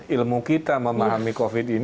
ilmu kita memahami covid ini